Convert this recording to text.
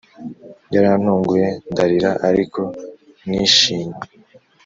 Yarantunguye ndarira ariko nishimye